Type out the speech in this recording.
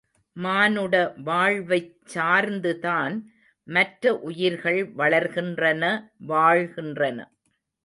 மானுட வாழ்வைச் சார்ந்துதான் மற்ற உயிர்கள் வளர்கின்றன வாழ்கின்றன.